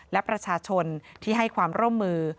และประชาชนที่ให้ความร่วมมือ